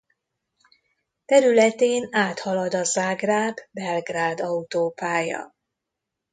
Területén áthalad a Zágráb-Belgrád autópálya.